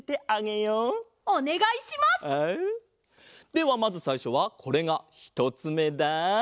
ではまずさいしょはこれがひとつめだ。